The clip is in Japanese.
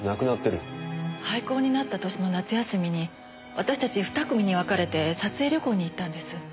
廃校になった年の夏休みに私たち２組に分かれて撮影旅行に行ったんです。